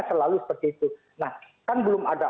selalu seperti itu nah kan belum ada